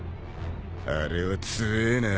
あれは強えな。